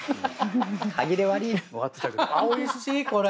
あっおいしいこれ。